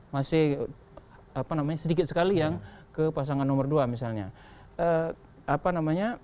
masih sedikit sekali yang ke pasangan nomor dua misalnya